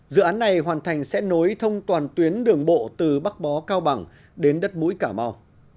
dự án này hoàn thành sẽ nối thông toàn tuyến đường bộ từ bắc bó cao bằng đến đất mũi cà mau